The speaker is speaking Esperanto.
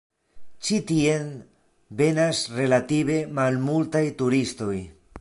Ĉi tien venas relative malmultaj turistoj.